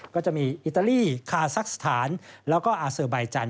ก็จะมีอิตาลีคาซักสถานแล้วก็อาเซอร์ใบจันท